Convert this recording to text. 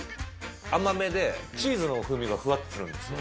甘めでチーズの風味がふわっとくるんですよ。